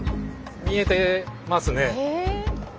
見えてますね。